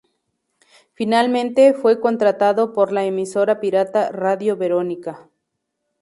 Finalmente fue contratado por la emisora pirata Radio Veronica.